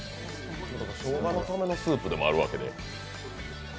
しょうがのためのスープでもあるわけで。